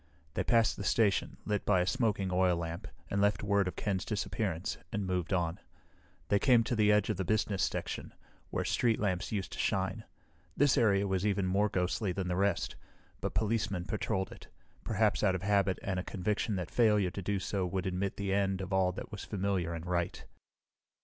They passed the station, lit by a smoking oil lamp, and left word of Ken's disappearance, and moved on. They came to the edge of the business section, where street lamps used to shine. This area was even more ghostly than the rest, but policemen patrolled it, perhaps out of habit and a conviction that failure to do so would admit the end of all that was familiar and right.